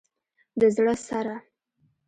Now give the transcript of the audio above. د زړه سره